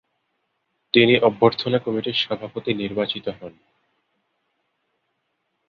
তিনি অভ্যর্থনা কমিটির সভাপতি নির্বাচিত হন।